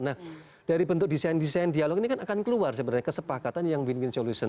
nah dari bentuk desain desain dialog ini kan akan keluar sebenarnya kesepakatan yang win win solution